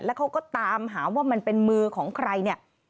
แล้วเขาก็ตามหาว่ามันเป็นมือของใครเนี่ย